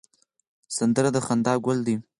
سندره د خندا ګل ده